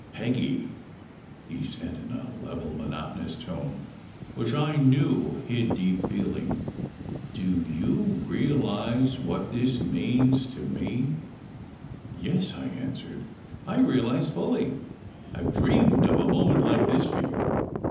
"Peggy!" he said in a level, monotonous tone which I knew hid deep feeling. "Do you realize what this means tome?" "Yes," I answered. " I realize fully. I ve dreamed of a moment like this for you.